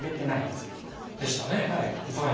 でしたね。